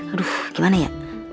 aduh gimana ya